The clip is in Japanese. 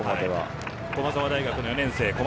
駒澤大学４年生。